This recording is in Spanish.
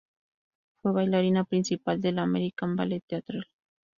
Fue bailarina principal del American Ballet Theatre.